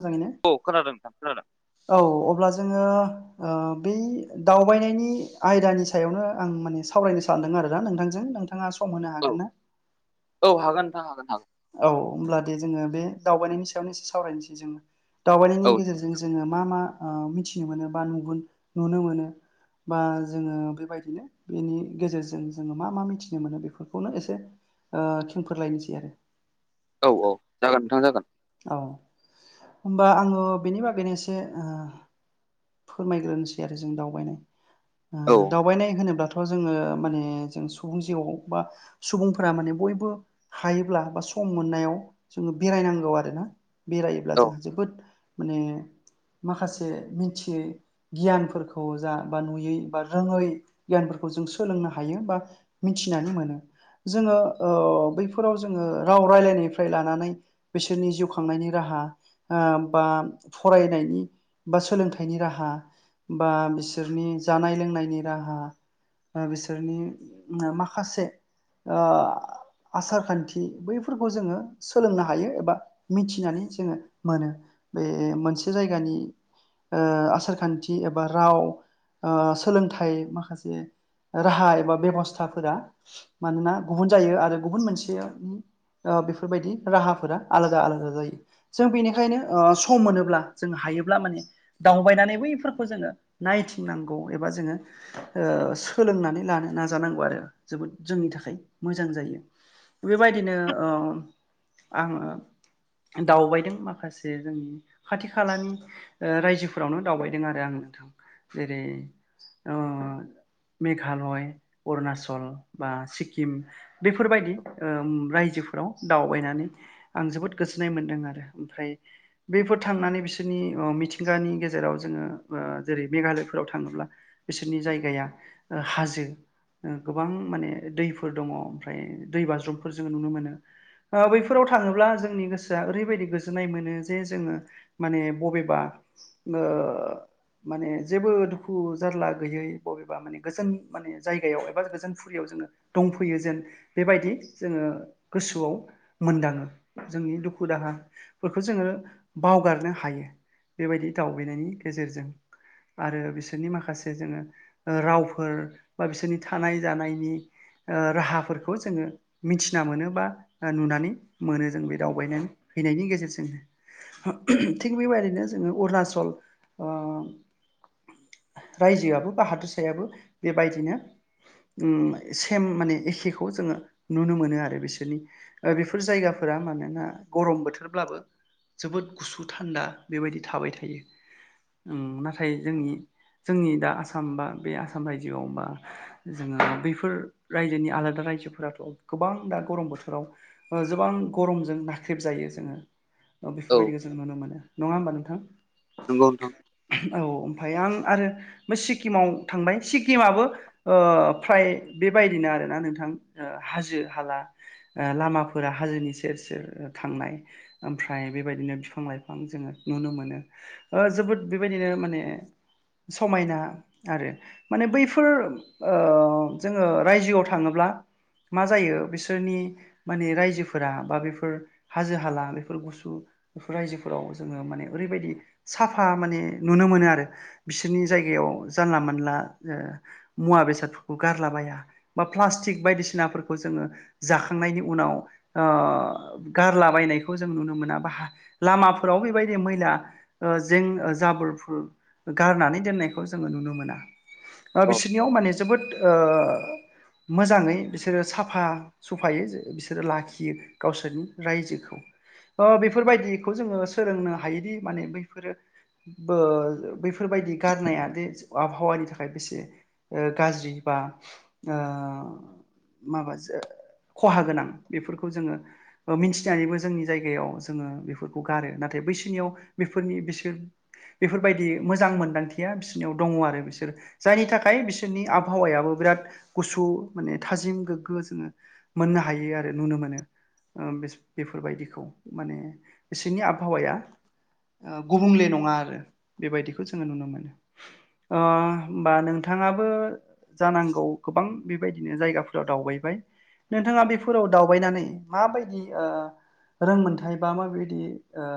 जजांाया औ खोनादों नोंथां खोनादों औ अब्ला जोङो बै दावबायनायनि आयदानि सायावनो आं माने सावरायनो सानदों आरोोना नोंथांजों नोंथां नोंथाङा सम होनो औ हागोन ना औ हाग नोंथां हागोन हागोन औ हब्ला दे जोङो बे दावबायनायनि सायावनो एसे सावरायनोसै जोङ औ दावबायनायनि गेजेरजों जोङो मा मा मिथिनो मोनो बा नुग नुनो मोनो बा जोङो बेबायदिनो बेनि गेजेरजों जोङो मा मा मिथिनो मोनो बेफोरखौनो एसे खेंफोरलायनोसै आरो औ औ जागोन नोंथां जागोन औ होमबा आङो बेनि बागैनो एसे फोरमायग्रोनोसै आरो जों दावबायनाय औ दावबायनाय होनोब्लाथ' थ जोङो माने जों सुबुं जिउआव बा सुबुंफोरा माने बयबो हायोब्ला बा सम मोननायाव जोङो बेरायनांगौ आरोना बेरायोब्ला औ जोंहा जोबोद माने माखासे मिथियै गियानफोरखौ जा बा नुयै बा रोङै गियानफोरखौ जों सोलोंनो हायो बा मिथिनानै मोनो जोङो बैफोराव जोङो राव राय्लायनायनिफ्राय लानानै बिसोरनि जिउ खांनायनि राहा बा फरायनायनि बा सोलोंथाइनि राहा बा बिसोरनि जानाय लोंनायनि राहा बिसोरनि माखासे आसार खान्थि बैफोरखौ जोङो सोलोंनो हायो एबा मिथिनानै जोङो मोनो बे मोनसे जायगानि आसार खान्थि एबा राव सोलोंथाइ माखासे राहा एबा बेब'स्थाफोरा मानोना गुबुन जायो आरो गुबुन मोनसेनि बेफोरबायदि राहाफोरा आलादा आलादा जायो जों बेनिखायनो सम मोनोब्ला जों हायोब्ला माने दावबायनानै बैफोरखौ जोङो नायथिंनांगौ एबा जोङो सोलोंनानै लानो नाजानांगौ आरो जोबोद जोंनि थाखाय मोजां जायो बेबायदिनो आङो दावबायदों माखासे जोंनि खाथि खालानि रायजोफोरावनो दावबायदों आरो आं नोंथां जेरै मेघालय अरुनााचल बा सिक्किम बेफोरबायदि रायजोफोराव दावबायनानै आं जोबोद गोजोननाय मोन्दों आरो ओमफ्राय बेफोर थांनानै बिसोरनि मिथिंगानि गेजेराव जोङो जेरै मेघालयफोराव थाङोब्ला बिसोरनि जायगाया हाजो ओ गोबां माने दैफोर दङ ओमफ्राय दै बाज्रुमफोर जोङो नुनो मोनो बैफोराव थाङोब्ला जोंनि गोसोआ ओरैबायदि गोजोननाय मोनो जे जोङो माने बबेबा आ माने जेबो दुखु जारला गैयै बबेबा माने गोजोन माने जायगायाव एबा गोजोन फुरियाव जोङो दंफैयो जेन बेबायदि जोङो गोसोआव मोनदाङो जोंनि दुखु दाहाफोरखौ जोङो बावगारनो हायो बेबायदि दावउबायनायनि गेजेरजों आरो बिसोरनि माखासे जोङो रावफोर बा बिसोरनि थानाय जानायनि राहाफोरखौ जोङो मिथिना मोनो बा नुनानै मोनो जों बे दावबायनानै फैनायनि गेजेरजोंनो थिग बेबायदिनो जोङो अरुणाचल रायजोआबो बा हादोरसायाबो बेबायदिनो उम सेम माने एखेखौ जोङो नुनो मोनो आरो बिसोरनि ओ बेफोर जायगा फोरा मानोना गरम बोथोरब्लाबो जोबोद गुसु थान्दा बेबायदि थाबाय थायो। उम नाथाय जोंनि जोंनि दा आसाम बा बे आसाम रायजोआव बा जोङो बैफोर रायजोनि आलादा रायजोफोराथ' गोबां दा गरम बोथोराव ओ गोबां गरमजों नाख्रेब जायो जोङो औ बेफोरबायदिखौ जों नुनो मोनो नङा होमबा नोंथां। नोंगौ नोंथां। औ ओमफ्राय आं आरो बे सिक्किमाव थांबाय सिक्किमाबो ओ फ्राय बेबायदिनो आरोना नोंथां ओ हाजो हाला ओ लामाफोरा हाजोनि सेर सेर थांनाय ओमफ्राय बेबायदिनो बिफां - लाइफां जोङो नुनो मोनो। ओ जोबोद बेबायदिनो माने समायना आरो माने बैफोर ओ जोङो रायजोआव थाङोब्ला मा जायो बिसोरनि माने रायजोफोरा बा बेफोर हाजो हाला बेफोर गुसु बेफोर रायजोफोराव जोङो माने ओरैबायदि साफा माने नुनो मोनो आरो। बिसोरनि जायगायाव जानला मोनला मुवा बेसादफोरखौ गारलाबाया बा प्लास्टिक बायदिसिनाफोरखौ जोङो जाखांनायनि उनाव ओ ओ गारलाबायायनायखौ जों नुनो मोना बा लामाफोराव बेबायदि मैला ओ जें जाबोरफोर गारनानै दोननायखौ जोङो नुनो मोना। ओ बिसोरनियाव माने जोबोद ओ मोजाङै बिसोरो साफा सुफायै बिसोरो लाखियो। गावसोरनि रायजोखौ ओ बेफोरबायदिखौ जोङो सोलोंनो हायोदि माने बैफोरो ओ बैफोरबायदि गारनाया बे आबहावानि थाखाय बेसे ओ गाज्रि बा ओ माबासो खहा गोनां बेफोरखौ जोङो ओ मिथिनानैबो जोंनि जायगायाव जोङो बेफोरखौ गारो नाथाय बैसोनियाव बेफोरनि बिसोर बेफोरबायदि मोजां मोन्दांथिया बिसोरनियाव दङ आरो बिसोर जायनि थाखाय बिसोरनि आबहावायाबो बिराद गुसु माने थाजिम गोग्गो जोङो मोननो हायो आरो नुनो मोनो। ओ बेफोरबायदिखौ माने बिसोरनि आबहावाया ओ गुबुंले नङा आरो बेबायदिखौ जोङो नुनो मोनो। अ' होमबा नोंथाङाबो जानांगौ गोबां बेबायदिनो जायगाफोराव दावबायबाय नोंथाङा बेफोराव दावबायनानै माबायदि ओ रोंमोनथायाइ बा माबायदि ओ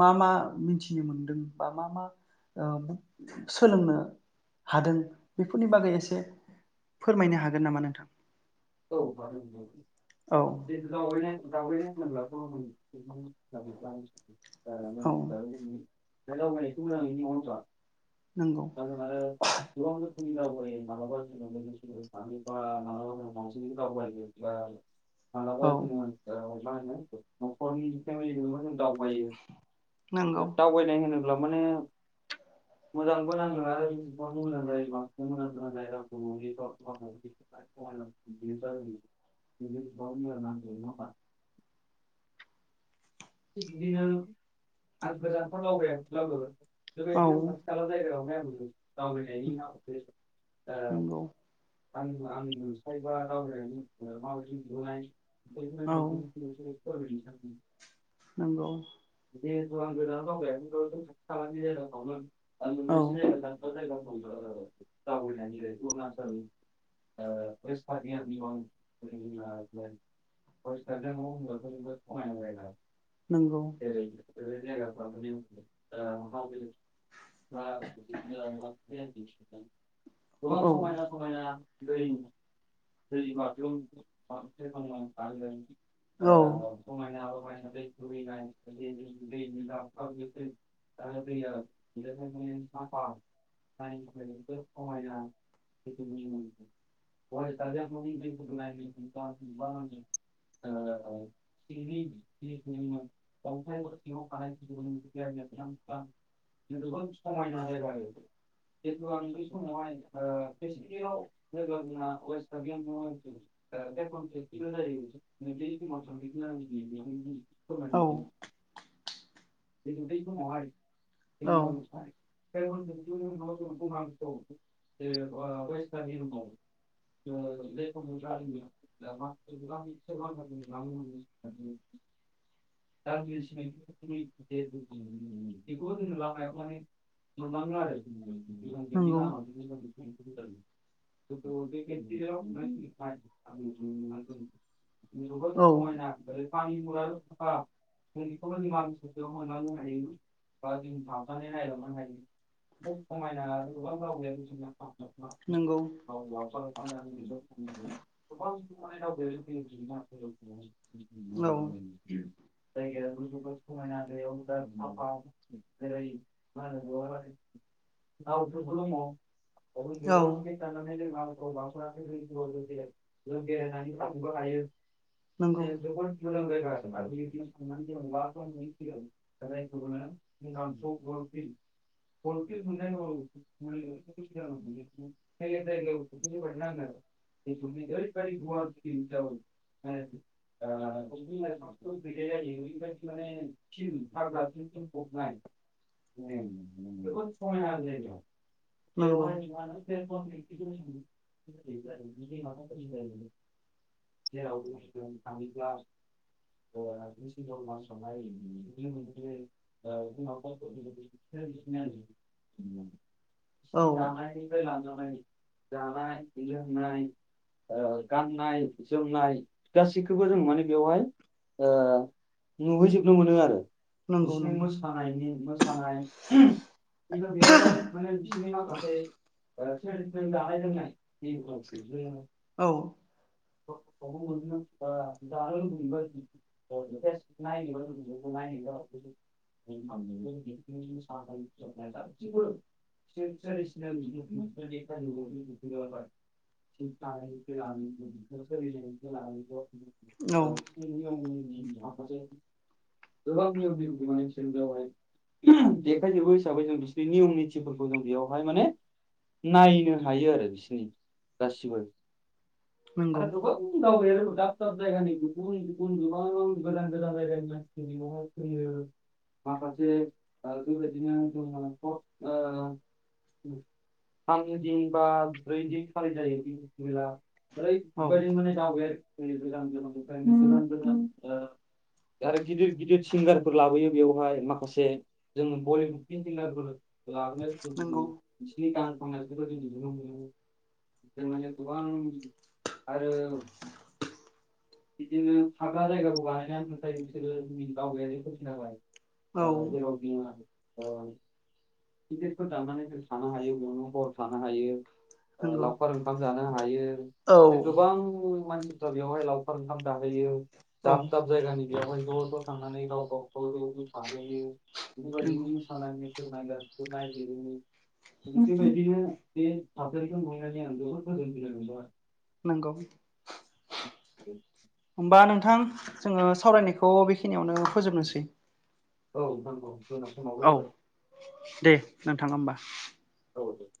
मा मा मिथिनो मोनदों बा मा मा सोलोंनो हादों बेफोरनि बागै एसे फोरमायनो हागोन नामा नोंथां। औ [unintelligible] औ। द द न [unintelligible] दा मानसिफोरा बोरै दा औ दावबायनायखौ मोजां नुयो नङा होमबा। नंगौ। जों आरो [unintelligible] बा माला बा औ जोङो ओ मा होनो नखरनि फेमिलिजोंबो जों दावबायो। नंगौ [unintelligible] दावबायनाय होनोब्ला माने मोजांबो नाङो आरो [unintelligible] [unintelligible] थिग बिदिनो आं गोजानथाव लावबायाख लावबो औ लायखनो आं थाग्रा जायगायावहाय आं दावबायनायनि नामआवगाय ओ नंगौ आंबो आं नसायबा रावराय मावावजि नलाय औ [unintelligible] नंगौ। [unintelligible] औ [unintelligible] [unintelligible] [unintelligible] नोंगौ। [unintelligible] [unintelligible] गोबां समायना औ समायना दै दै माबायाव [unintelligible] बानायदों। औ ओ समायना रमायना दै बोहैनाय दैनि [unintelligible] नायनो थाखायबो समायना [unintelligible] ओ [unintelligible] [unintelligible] जोबोद समायना जायगा आरो। खिनथु आं बै समावहाय ओ बेसेकलियाव औ [unintelligible] [unintelligible] औ [unintelligible] [unintelligible] [unintelligible] [unintelligible] [unintelligible] नंगौ [unintelligible] [unintelligible] औ [unintelligible] जों बेखौबो निमा ससे मोननानै हायो बा जों थांजानाय नायलनो हायो। जोबोद समायना गोबां दावबायारि नंगौ औ [unintelligible] [unintelligible] जायगायाबो जोबोद समायना जेरै औ [unintelligible] [unintelligible] नंगौ [unintelligible] [unintelligible] [unintelligible] [unintelligible] [unintelligible] [unintelligible] [unintelligible] [unintelligible] नंगौ जों थाङोब्ला ओ डिसिम्बर मासावहाय [inaudible] [inaudible] औ सि दानाय लांजानाय जानाय लोंनाय ओ गाननाय जोमनाय गासैखौबो जों माने बेवहाय ओ नुहैजोबनो मोनो आरो। नंगौ बिसिनि नंगौ मोसानायनि मो सानाय। खिन्थु बेयावहाय माने बिसिनि माखासे [inaudible] औ। [unintelligible] [unintelligible] [unintelligible] सिबो [unintelligible] औ [unintelligible] [unintelligible] [unintelligible] देखायजोबो हिसाबै जों बिसिनि नियम निथिफोरखौ जों बेयावहाय माने नायनो हायो आरो बिसिनि गासिबो नंगौ आरो गोबाव [unintelligible] दाब दाब जायगानि गुबुन गुबुन गोबांआव गोदान गोदान जायगानि मानसिफोर बेयावहाय फैयो। माखासे ओ बेबायदिनो जोंनाथ' ओ [unintelligible] बा ब्रैदिन खालि जायो बे [unintelligible] औ [unintelligible] आरो गिदिर गिदिर सिंगारफोर लाबोयो बेवहाय माखासे जोंङो बलि [unintelligible] नंगौ बिसिनि गान खननायखौथ' जों नुनो मोनो जों माने गोबां आरो इदिनो हाग्रा जायगाखौ बानायनानै [unintelligible] औ ओ [unintelligible] ओ गिदिरफोर दानानै जों थानो हायो बियावनो हर थानो हायो। नंगौ लावखार ओंखाम जानो औ हायो गोबां बर' मानसि बेवहाय लावखार ओंखाम दाहैयो औ दाब दाब जायगानि बेयावहाय ज' ज' थांनानै गाव गाबागाव ज थयो नंगौ बेबायदि [inaudible] बेबायदिनो बे थासारिखौ नुहैनानै आं जोबोद गोजोनबोनाय मोन्दों नोंगौ। [unintelligible] ओमबा नोंथां जोंङो सावरायनायखौ बेखिनियावनो फोजोबनोसै। औ नोंथां औ जोंना समावबो औ जाबाय। दे नोंथां ओमबा। औ दे